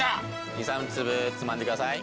２３粒つまんでください。